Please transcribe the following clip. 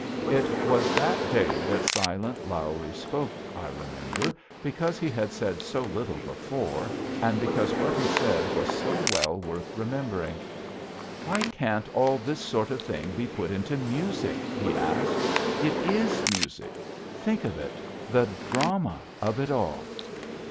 It was that day that "Silent Lawrie" spoke I remember, because he had said so little before, and because what he said was so well worth remembering. "Why can't all this sort of thing be put into music?" he asked. "It is music. Think of it, the drama of it all!"